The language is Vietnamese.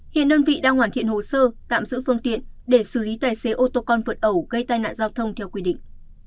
hiện đơn vị đang hoàn thiện hồ sơ tạm giữ phương tiện để xử lý tài xế ô tô con vượt ẩu gây tai nạn giao thông theo quy định